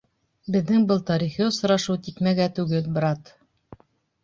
Беҙҙең был тарихи осрашыу тикмәгә түгел, брат.